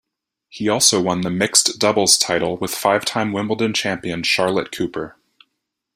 He also won the mixed doubles title with five-time Wimbledon champion Charlotte Cooper.